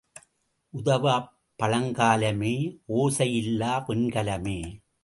உதவாப் பழங்கலமே, ஓசை இல்லா வெண்கலமே.